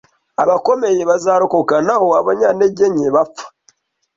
Abakomeye bazarokoka naho abanyantege nke bapfa.